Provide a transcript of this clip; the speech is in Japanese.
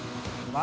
何？